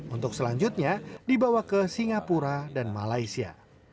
untuk selanjutnya dibawa ke singapura dan malaysia